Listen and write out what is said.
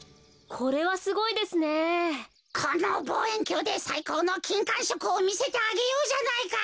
このぼうえんきょうでさいこうのきんかんしょくをみせてあげようじゃないか。